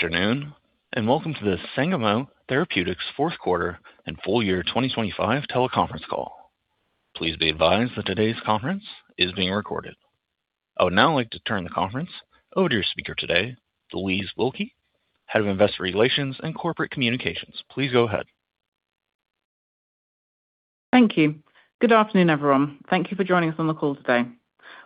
Good afternoon, and welcome to the Sangamo Therapeutics fourth quarter and full year 2025 teleconference call. Please be advised that today's conference is being recorded. I would now like to turn the conference over to your speaker today, Louise Wilkie, Head of Investor Relations and Corporate Communications. Please go ahead. Thank you. Good afternoon, everyone. Thank you for joining us on the call today.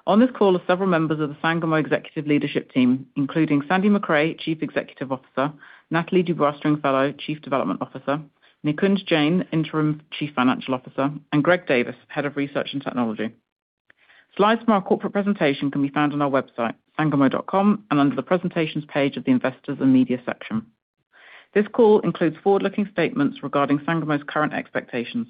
On this call are several members of the Sangamo executive leadership team, including Sandy Macrae, Chief Executive Officer, Nathalie Dubois-Stringfellow, Chief Development Officer, Nikunj Jain, Interim Chief Financial Officer, and Greg Davis, Head of Research and Technology. Slides from our corporate presentation can be found on our website, sangamo.com, and under the Presentations page of the Investors and Media section. This call includes forward-looking statements regarding Sangamo's current expectations.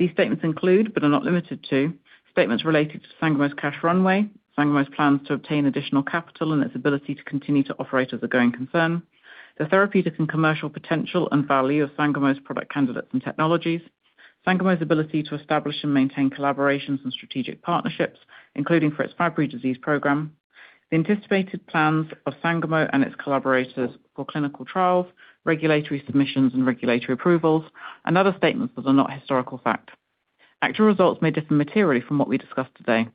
These statements include, but are not limited to, statements related to Sangamo's cash runway, Sangamo's plans to obtain additional capital and its ability to continue to operate as a going concern, the therapeutic and commercial potential and value of Sangamo's product candidates and technologies, Sangamo's ability to establish and maintain collaborations and strategic partnerships, including for its Fabry disease program, the anticipated plans of Sangamo and its collaborators for clinical trials, regulatory submissions and regulatory approvals, and other statements that are not historical fact. Actual results may differ materially from what we discuss today.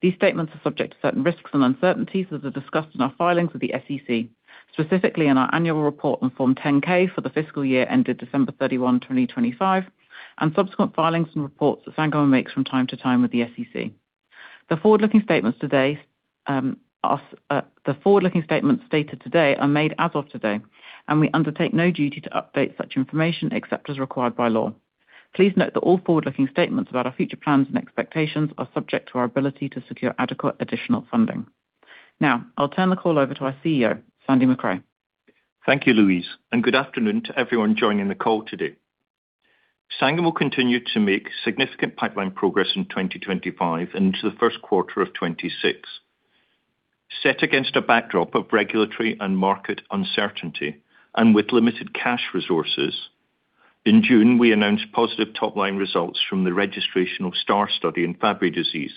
These statements are subject to certain risks and uncertainties as are discussed in our filings with the SEC, specifically in our annual report on Form 10-K for the fiscal year ended December 31, 2025, and subsequent filings and reports that Sangamo makes from time to time with the SEC. The forward-looking statements stated today are made as of today, and we undertake no duty to update such information except as required by law. Please note that all forward-looking statements about our future plans and expectations are subject to our ability to secure adequate additional funding. Now, I'll turn the call over to our CEO, Sandy Macrae. Thank you, Louise, and good afternoon to everyone joining the call today. Sangamo continued to make significant pipeline progress in 2025 and into the first quarter of 2026. Set against a backdrop of regulatory and market uncertainty and with limited cash resources, in June, we announced positive top-line results from the registrational STAAR study in Fabry disease,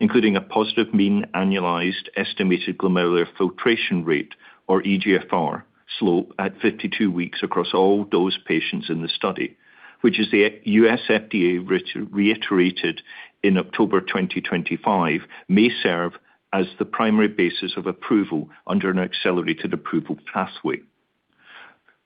including a positive mean annualized estimated glomerular filtration rate, or eGFR, slope at 52 weeks across all dosed patients in the study, which the U.S. FDA reiterated in October 2025 may serve as the primary basis of approval under an accelerated approval pathway.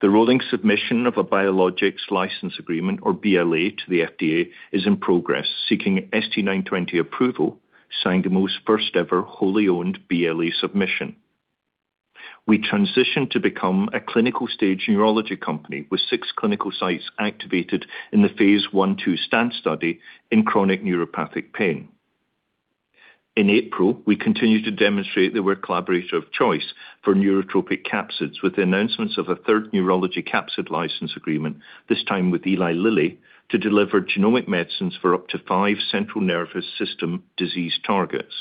The rolling submission of a Biologics License Application, or BLA, to the FDA is in progress seeking ST-920 approval, Sangamo's first-ever wholly owned BLA submission. We transitioned to become a clinical-stage neurology company with six clinical sites activated in the Phase 1/2 STAND study in chronic neuropathic pain. In April, we continued to demonstrate that we're a collaborator of choice for neurotropic capsids with the announcements of a third neurology capsid license agreement, this time with Eli Lilly, to deliver genomic medicines for up to five central nervous system disease targets.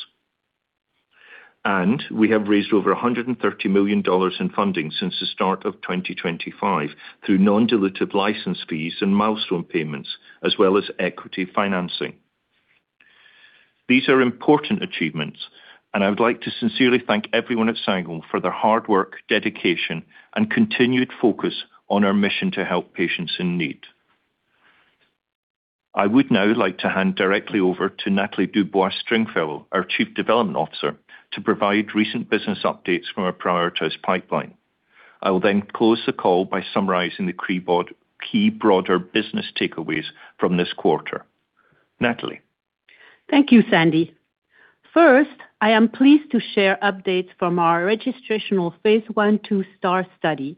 We have raised over $130 million in funding since the start of 2025 through non-dilutive license fees and milestone payments as well as equity financing. These are important achievements and I would like to sincerely thank everyone at Sangamo for their hard work, dedication, and continued focus on our mission to help patients in need. I would now like to hand directly over to Nathalie Dubois-Stringfellow, our Chief Development Officer, to provide recent business updates from our prioritized pipeline. I will then close the call by summarizing the key broader business takeaways from this quarter. Nathalie. Thank you, Sandy. First, I am pleased to share updates from our registrational Phase 1/2 STAAR study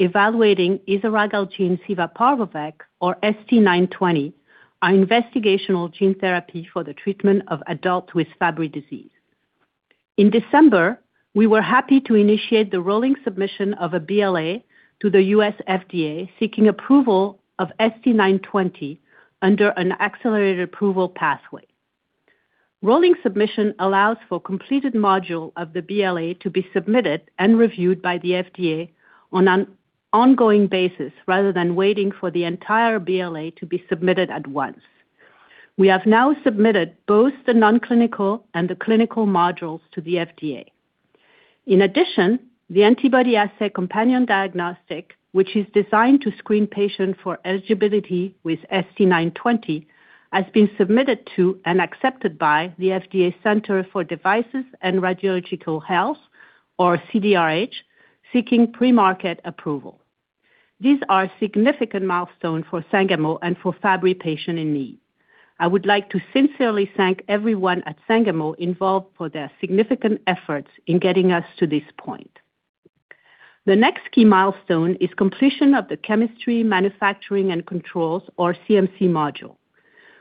evaluating isaralgagene civaparvovec, or ST-920, our investigational gene therapy for the treatment of adults with Fabry disease. In December, we were happy to initiate the rolling submission of a BLA to the U.S. FDA, seeking approval of ST-920 under an accelerated approval pathway. Rolling submission allows for completed module of the BLA to be submitted and reviewed by the FDA on an ongoing basis rather than waiting for the entire BLA to be submitted at once. We have now submitted both the non-clinical and the clinical modules to the FDA. In addition, the antibody assay companion diagnostic, which is designed to screen patients for eligibility with ST-920, has been submitted to and accepted by the FDA Center for Devices and Radiological Health, or CDRH, seeking pre-market approval. These are significant milestones for Sangamo and for Fabry patients in need. I would like to sincerely thank everyone at Sangamo involved for their significant efforts in getting us to this point. The next key milestone is completion of the chemistry, manufacturing, and controls or CMC module.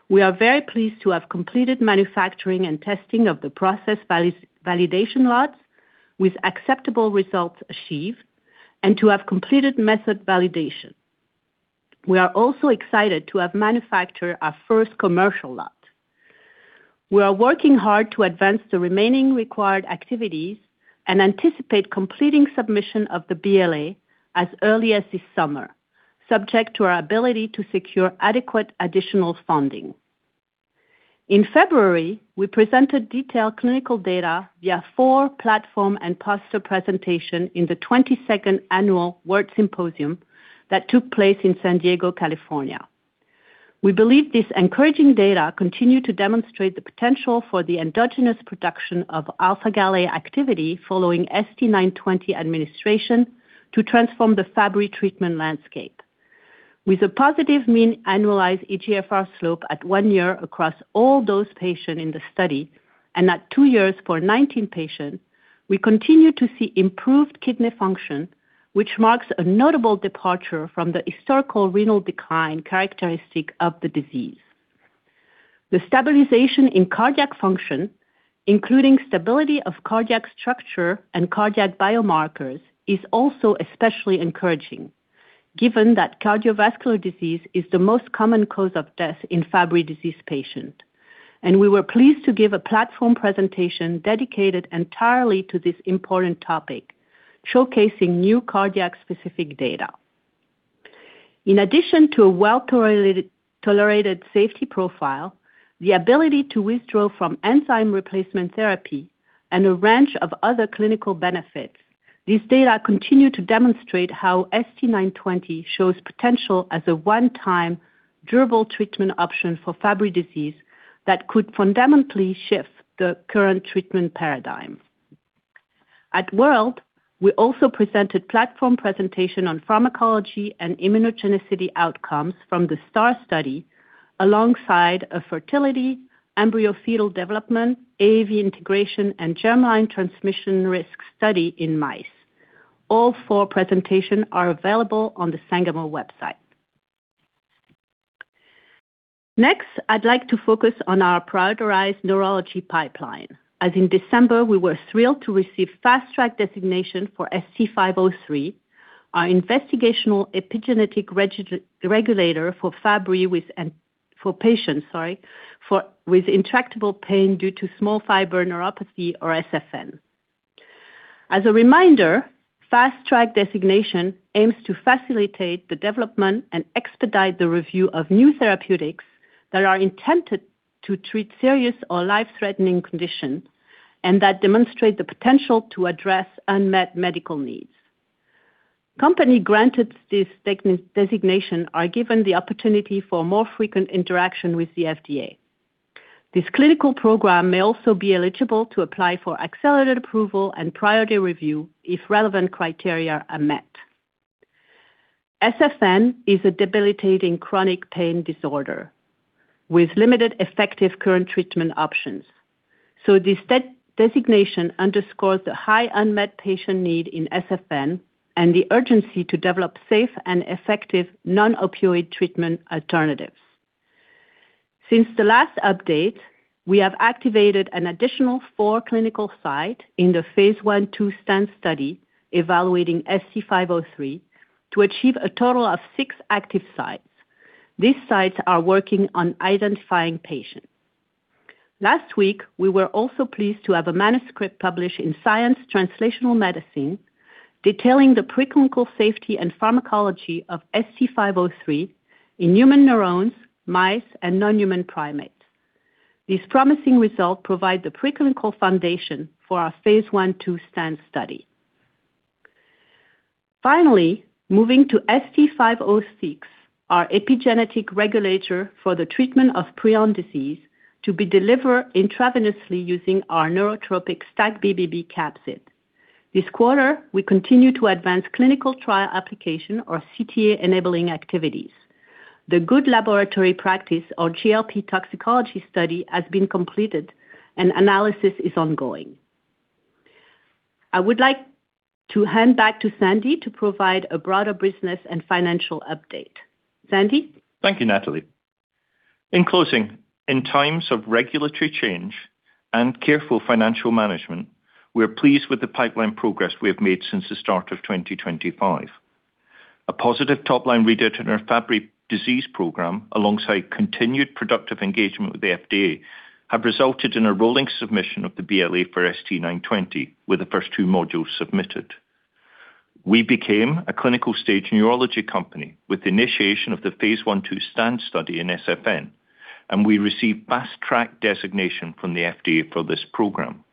We are very pleased to have completed manufacturing and testing of the process validation lots with acceptable results achieved and to have completed method validation. We are also excited to have manufactured our first commercial lot. We are working hard to advance the remaining required activities and anticipate completing submission of the BLA as early as this summer, subject to our ability to secure adequate additional funding. In February, we presented detailed clinical data via four platform and poster presentations in the 20-second Annual WORLDSymposium that took place in San Diego, California. We believe this encouraging data continue to demonstrate the potential for the endogenous production of alpha-gal A activity following ST-920 administration to transform the Fabry disease treatment landscape. With a positive mean annualized eGFR slope at one year across all those patients in the study, and at two years for 19 patients, we continue to see improved kidney function, which marks a notable departure from the historical renal decline characteristic of the disease. The stabilization in cardiac function, including stability of cardiac structure and cardiac biomarkers, is also especially encouraging, given that cardiovascular disease is the most common cause of death in Fabry disease patients. We were pleased to give a platform presentation dedicated entirely to this important topic, showcasing new cardiac specific data. In addition to a well-tolerated safety profile, the ability to withdraw from enzyme replacement therapy and a range of other clinical benefits, this data continue to demonstrate how ST-920 shows potential as a one-time durable treatment option for Fabry disease that could fundamentally shift the current treatment paradigm. At WORLDSymposium, we also presented platform presentation on pharmacology and immunogenicity outcomes from the STAAR study alongside a fertility, embryo fetal development, AAV integration, and germline transmission risk study in mice. All four presentation are available on the Sangamo website. Next, I'd like to focus on our prioritized neurology pipeline, as in December, we were thrilled to receive Fast Track designation for ST-503, our investigational epigenetic regulator for patients, sorry, with intractable pain due to small fiber neuropathy or SFN. As a reminder, Fast Track designation aims to facilitate the development and expedite the review of new therapeutics that are intended to treat serious or life-threatening conditions and that demonstrate the potential to address unmet medical needs. Companies granted this Fast Track designation are given the opportunity for more frequent interaction with the FDA. This clinical program may also be eligible to apply for accelerated approval and priority review if relevant criteria are met. SFN is a debilitating chronic pain disorder with limited effective current treatment options. This Fast Track designation underscores the high unmet patient need in SFN and the urgency to develop safe and effective non-opioid treatment alternatives. Since the last update, we have activated an additional four clinical sites in the Phase 1/2 STAND study evaluating ST-503 to achieve a total of six active sites. These sites are working on identifying patients. Last week, we were also pleased to have a manuscript published in Science Translational Medicine detailing the preclinical safety and pharmacology of ST-503 in human neurons, mice, and non-human primates. These promising results provide the preclinical foundation for our Phase 1/2 STAND study. Finally, moving to ST-506, our epigenetic regulator for the treatment of prion disease to be delivered intravenously using our neurotropic STAC-BBB capsid. This quarter, we continue to advance clinical trial application or CTA-enabling activities. The Good Laboratory Practice or GLP toxicology study has been completed and analysis is ongoing. I would like to hand back to Sandy to provide a broader business and financial update. Sandy? Thank you, Nathalie. In closing, in times of regulatory change and careful financial management, we are pleased with the pipeline progress we have made since the start of 2025. A positive top-line readout in our Fabry disease program, alongside continued productive engagement with the FDA, have resulted in a rolling submission of the BLA for ST-920, with the first two modules submitted. We became a clinical-stage neurology company with the initiation of the Phase 1/2 STAND study in SFN, and we received Fast Track designation from the FDA for this program.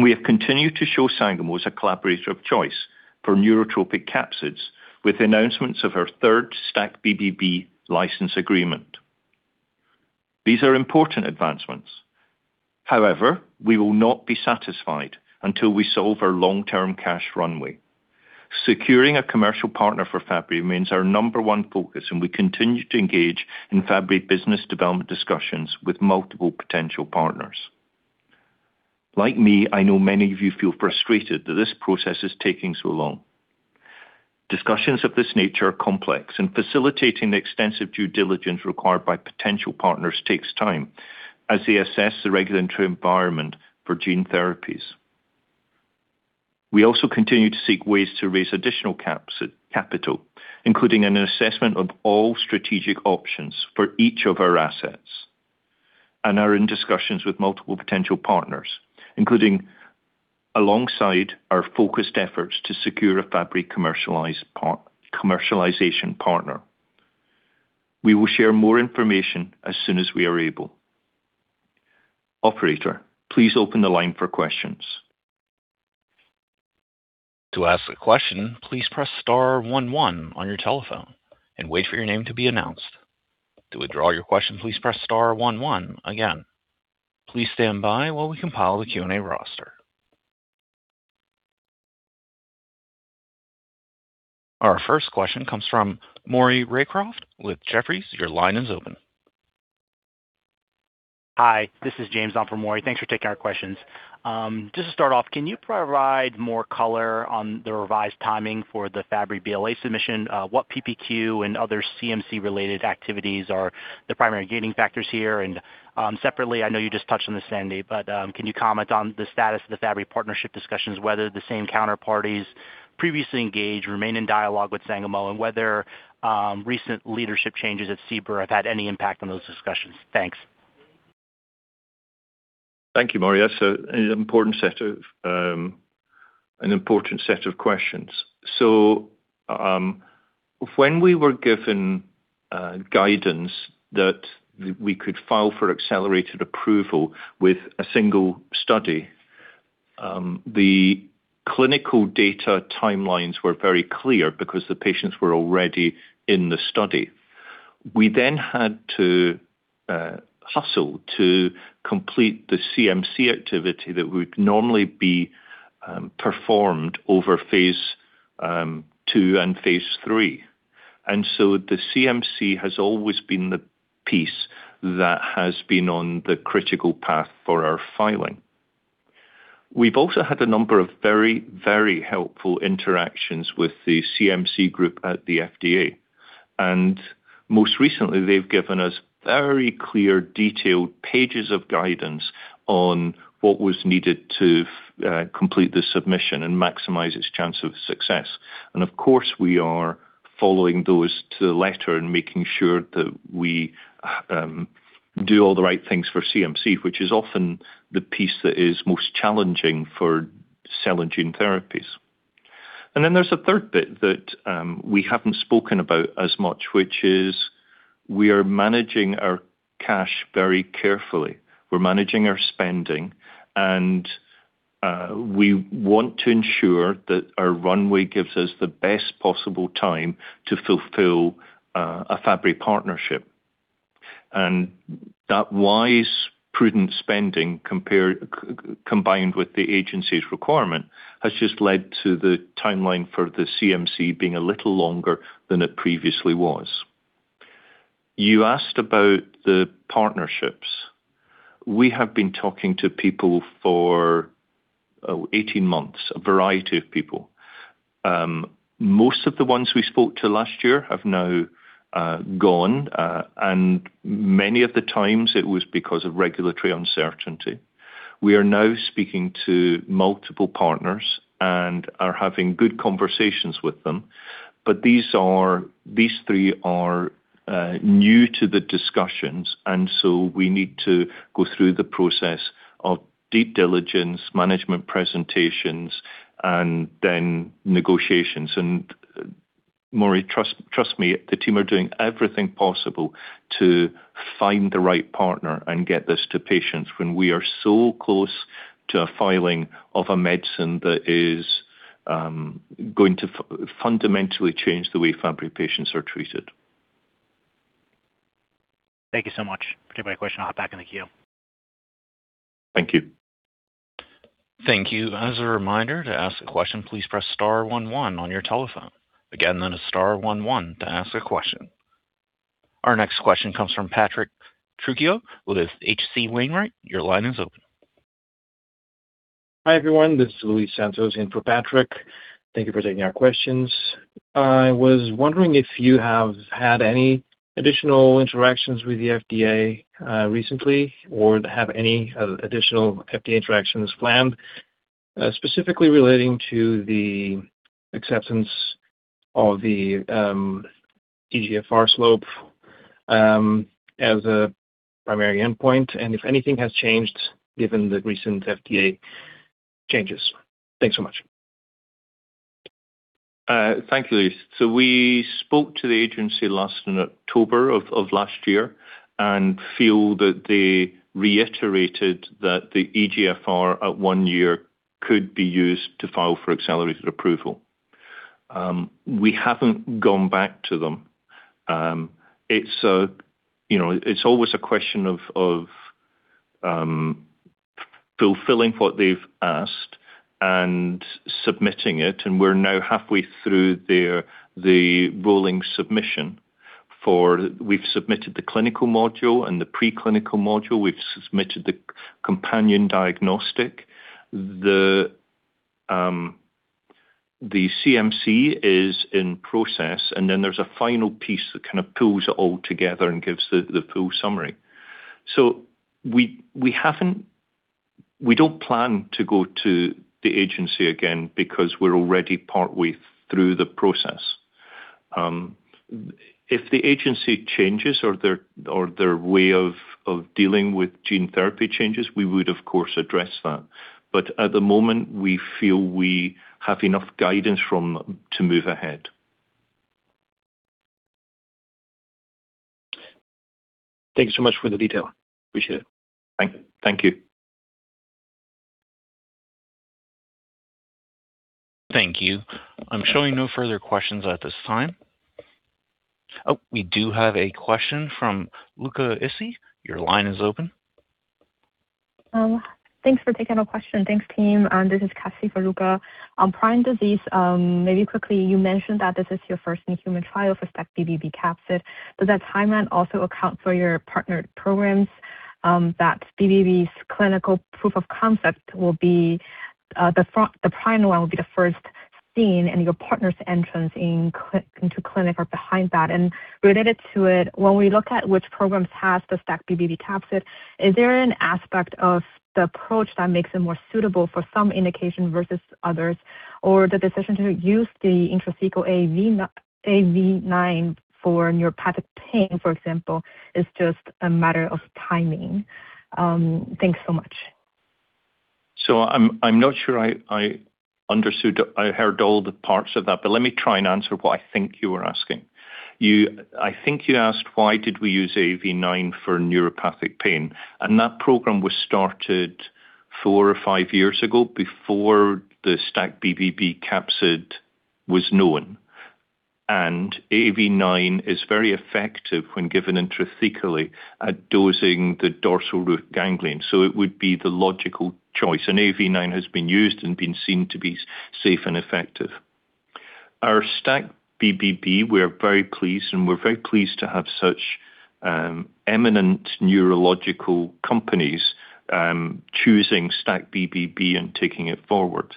We have continued to show Sangamo as a collaborator of choice for neurotropic capsids with announcements of our third STAC-BBB license agreement. These are important advancements. However, we will not be satisfied until we solve our long-term cash runway. Securing a commercial partner for Fabry remains our number one focus, and we continue to engage in Fabry business development discussions with multiple potential partners. Like me, I know many of you feel frustrated that this process is taking so long. Discussions of this nature are complex, and facilitating the extensive due diligence required by potential partners takes time as they assess the regulatory environment for gene therapies. We also continue to seek ways to raise additional capital, including an assessment of all strategic options for each of our assets, and are in discussions with multiple potential partners. Alongside our focused efforts to secure a Fabry commercialization partner, we will share more information as soon as we are able. Operator, please open the line for questions. To ask a question, please press star one one on your telephone and wait for your name to be announced. To withdraw your question, please press star one one again. Please stand by while we compile the Q&A roster. Our first question comes from Maury Raycroft with Jefferies. Your line is open. Hi, this is James on for Maury. Thanks for taking our questions. Just to start off, can you provide more color on the revised timing for the Fabry BLA submission? What PPQ and other CMC-related activities are the primary gating factors here? Separately, I know you just touched on this, Sandy, but can you comment on the status of the Fabry partnership discussions, whether the same counterparties previously engaged remain in dialogue with Sangamo, and whether recent leadership changes at CBER have had any impact on those discussions? Thanks. Thank you, Maury. That's an important set of questions. When we were given guidance that we could file for accelerated approval with a single study, the clinical data timelines were very clear because the patients were already in the study. We then had to hustle to complete the CMC activity that would normally be performed over phase II and phase III. The CMC has always been the piece that has been on the critical path for our filing. We've also had a number of very helpful interactions with the CMC group at the FDA. Most recently, they've given us very clear, detailed pages of guidance on what was needed to complete the submission and maximize its chance of success. Of course, we are following those to the letter and making sure that we do all the right things for CMC, which is often the piece that is most challenging for cell and gene therapies. There's a third bit that we haven't spoken about as much, which is we are managing our cash very carefully. We're managing our spending, and we want to ensure that our runway gives us the best possible time to fulfill a Fabry partnership. That wise, prudent spending combined with the agency's requirement has just led to the timeline for the CMC being a little longer than it previously was. You asked about the partnerships. We have been talking to people for 18 months, a variety of people. Most of the ones we spoke to last year have now gone, and many of the times it was because of regulatory uncertainty. We are now speaking to multiple partners and are having good conversations with them. These three are new to the discussions, and so we need to go through the process of due diligence, management presentations, and then negotiations. Maury, trust me, the team are doing everything possible to find the right partner and get this to patients when we are so close to a filing of a medicine that is going to fundamentally change the way Fabry patients are treated. Thank you so much. Forget my question. I'll hop back in the queue. Thank you. Thank you. As a reminder, to ask a question, please press star one one on your telephone. Again, that is star one one to ask a question. Our next question comes from Patrick Trucchio with H.C. Wainwright. Your line is open. Hi, everyone. This is Luis Santos in for Patrick. Thank you for taking our questions. I was wondering if you have had any additional interactions with the FDA recently or have any additional FDA interactions planned, specifically relating to the acceptance of the eGFR slope as a primary endpoint, and if anything has changed given the recent FDA changes? Thanks so much. Thank you, Luis. We spoke to the agency last in October of last year and feel that they reiterated that the eGFR at one year could be used to file for accelerated approval. We haven't gone back to them. It's always a question of fulfilling what they've asked and submitting it, and we're now halfway through the rolling submission. We've submitted the clinical module and the preclinical module. We've submitted the companion diagnostic. The CMC is in process, and then there's a final piece that kind of pulls it all together and gives the full summary. We haven't. We don't plan to go to the agency again because we're already partway through the process. If the agency changes or their way of dealing with gene therapy changes, we would of course address that. At the moment, we feel we have enough guidance from them to move ahead. Thanks so much for the detail. Appreciate it. Thank you. Thank you. I'm showing no further questions at this time. Oh, we do have a question from Luca Issi. Your line is open. Thanks for taking the question. Thanks, team. This is Cassie for Luca. On prion disease, maybe quickly, you mentioned that this is your first new human trial for STAC-BBB capsid. Does that timeline also account for your partnered programs, that BBB's clinical proof of concept will be the prion one will be the first seen and your partner's entrance into clinic are behind that. Related to it, when we look at which programs has the STAC-BBB capsid, is there an aspect of the approach that makes it more suitable for some indication versus others? Or the decision to use the intrathecal AAV9 for neuropathic pain, for example, is just a matter of timing. Thanks so much. I'm not sure I understood. I heard all the parts of that, but let me try and answer what I think you were asking. I think you asked why did we use AAV9 for neuropathic pain. That program was started four or five years ago before the STAC-BBB capsid was known. AAV9 is very effective when given intrathecally at dosing the dorsal root ganglion. It would be the logical choice. AAV9 has been used and been seen to be safe and effective. Our STAC-BBB, we're very pleased, and we're very pleased to have such eminent neurological companies choosing STAC-BBB and taking it forward.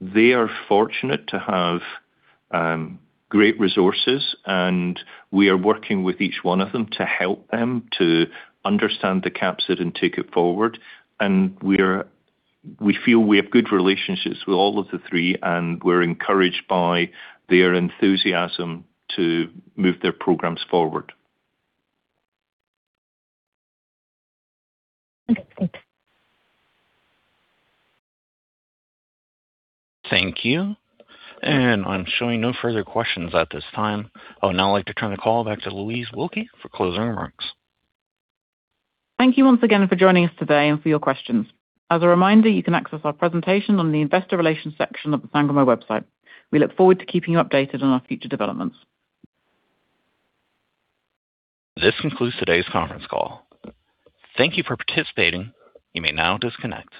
They are fortunate to have great resources and we are working with each one of them to help them to understand the capsid and take it forward. We feel we have good relationships with all of the three, and we're encouraged by their enthusiasm to move their programs forward. Okay, thanks. Thank you. I'm showing no further questions at this time. I would now like to turn the call back to Louise Wilkie for closing remarks. Thank you once again for joining us today and for your questions. As a reminder, you can access our presentation on the investor relations section of the Sangamo website. We look forward to keeping you updated on our future developments. This concludes today's conference call. Thank you for participating. You may now disconnect.